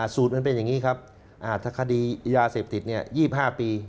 สูตรมันเป็นอย่างนี้ครับถ้าคดียาเสพติด๒๕ปี